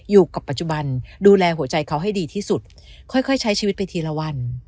อยู่กับปัจจุบันดูแลหัวใจเขาให้ดีที่สุดค่อยใช้ชีวิตไปทีละวัน